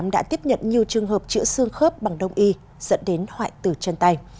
đã tiếp nhận nhiều trường hợp chữa xương khớp bằng đông y dẫn đến hoại tử chân tay